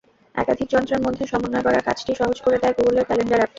একাধিক যন্ত্রের মধ্যে সমন্বয় করার কাজটি সহজ করে দেয় গুগলের ক্যালেন্ডার অ্যাপটি।